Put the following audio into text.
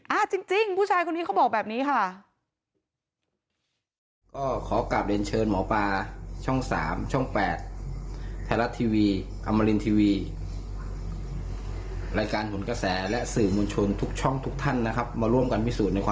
จริงผู้ชายคนนี้เขาบอกแบบนี้ค่ะ